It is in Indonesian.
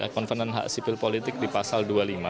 konvenant hak sipil politik di pasal dua puluh lima